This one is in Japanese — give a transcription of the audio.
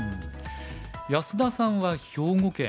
安田さんは兵庫県。